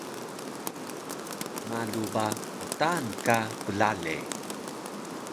Malu ba qtaan ka plale